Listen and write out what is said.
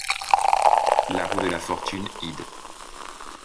La roue de la Fortune id.